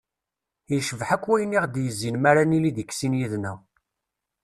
Yecbeḥ akk wayen i ɣ-d-yezzin m'ara nili deg sin yid-neɣ.